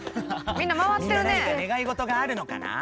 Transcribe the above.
みんな何か願い事があるのかな？